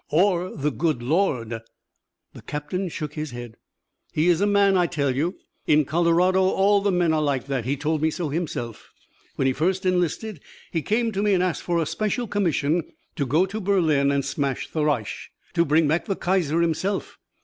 "Or the Good Lord." The captain shook his head. "He is a man, I tell you. In Colorado all the men are like that. He told me so himself. When he first enlisted, he came to me and asked for a special commission to go to Berlin and smash the Reich to bring back the Kaiser himself.